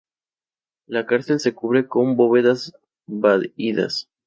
La cárcel se cubre con bóvedas vaídas.